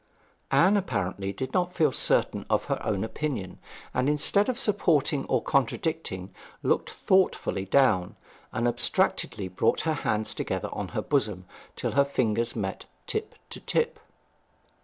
Anne apparently did not feel certain of her own opinion, and, instead of supporting or contradicting, looked thoughtfully down, and abstractedly brought her hands together on her bosom, till her fingers met tip to tip.